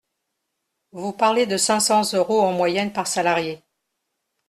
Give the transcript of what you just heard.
Vous parlez de cinq cents euros en moyenne par salarié.